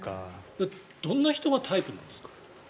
どんな人がタイプなんですか？